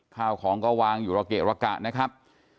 ข้าวของก็วางอยู่ระเกะระกะนะครับ